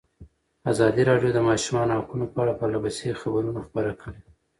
ازادي راډیو د د ماشومانو حقونه په اړه پرله پسې خبرونه خپاره کړي.